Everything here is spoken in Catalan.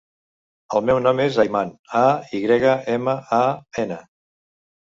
El meu nom és Ayman: a, i grega, ema, a, ena.